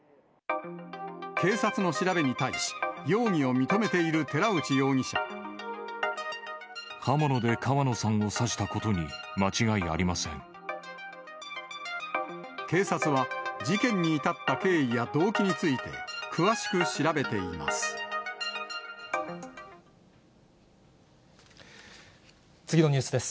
警察の調べに対し、刃物で川野さんを刺したこと警察は、事件に至った経緯や動機について、詳しく調べています。